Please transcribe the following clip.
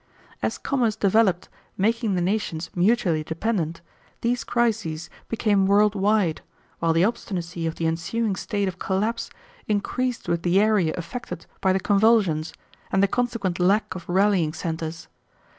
As commerce developed, making the nations mutually dependent, these crises became world wide, while the obstinacy of the ensuing state of collapse increased with the area affected by the convulsions, and the consequent lack of rallying centres.